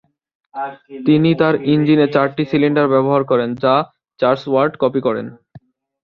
তিনি তার ইঞ্জিনে চারটি সিলিন্ডার ব্যবহার করেন, যা চার্চওয়ার্ড কপি করেন।